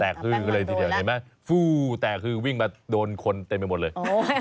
แต่คือก็เลยเทียบมั้ยฟรู้แต่วิ่งมาโดนคนเต็มไปหมดเลย